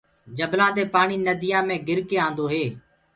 جبلآنٚ دي پآڻي ننديآنٚ مي ڪر ڪي آندو هي۔